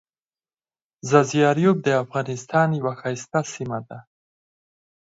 ځاځي اریوب دافغانستان یوه ښایسته سیمه ده.